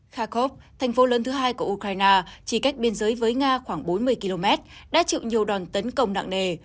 khakhov thành phố lớn thứ hai của ukraine chỉ cách biên giới với nga khoảng bốn mươi km đã chịu nhiều đòn tấn công nặng nề